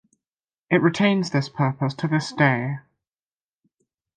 It retains this purpose to this day.